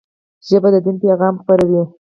ژبه د دین پيغام خپروي